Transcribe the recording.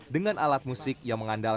dengan alat musik yang mengandalkan